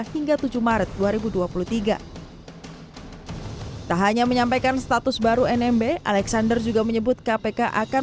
dua ribu dua puluh dua hingga tujuh maret dua ribu dua puluh tiga tak hanya menyampaikan status baru nmb alexander juga menyebut kpk akan